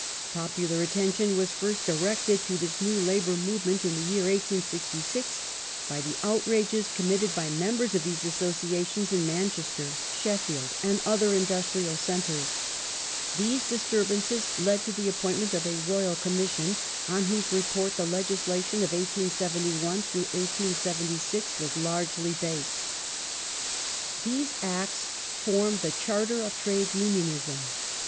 Popular attention was fii^st directed to this new Labour movement in the year 1866 by the outrages committed by members of these associations in Manchester, Sheffield, and other industrial centres. These disturbances led to the appointment of a Royal Commission, on whose report the legis lation of 1871 1876 was largely based. Trade These Acts form the Charter of Trade Unionism.